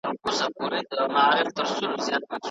انتيک پلورونکو زړې خزانې ټولې کړې وې.